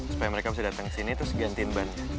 supaya mereka bisa datang kesini terus gantiin ban nya